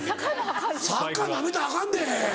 サッカーナメたらアカンで！